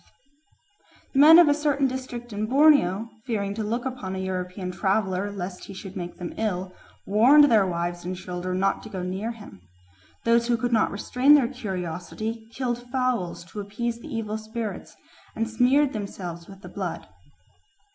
The men of a certain district in Borneo, fearing to look upon a European traveller lest he should make them ill, warned their wives and children not to go near him. Those who could not restrain their curiosity killed fowls to appease the evil spirits and smeared themselves with the blood.